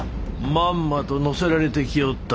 まんまと乗せられてきおったわ。